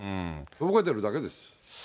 とぼけてるだけです。